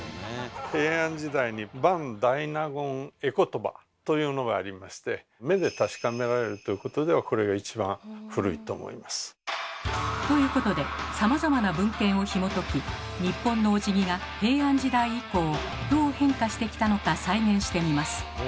平安時代に「伴大納言絵詞」というのがありまして目で確かめられるということではこれが一番古いと思います。ということでさまざまな文献をひもとき日本のおじぎが平安時代以降どう変化してきたのか再現してみます。